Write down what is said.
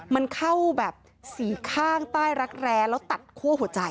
มันเข้าแบบสีข้างใต้รักแร้แล้วตัดคั่วหัวใจ